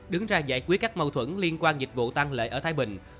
đứng ra giải quyết các mâu thuẫn liên quan dịch vụ tăng lợi ở thái bình